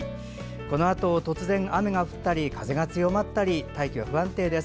このあと突然雨が降ったり風が強まったり大気が不安定です。